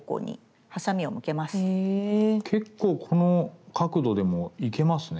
結構この角度でもいけますね。